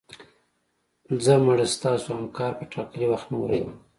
ځه مړه ستاسو همکار په ټاکلي وخت نه و راغلی